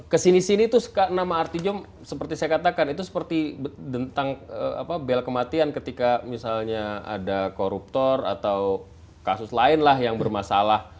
kesini sini itu nama artijo seperti saya katakan itu seperti tentang bel kematian ketika misalnya ada koruptor atau kasus lain lah yang bermasalah